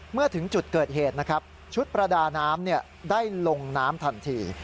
เมื่อถึงจุดเกิดเหตุนะครับชุดประดาน้ำได้ลงน้ำทันที